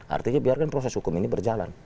artinya biarkan proses hukum ini berjalan